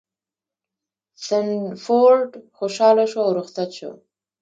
سنډفورډ خوشحاله شو او رخصت شو.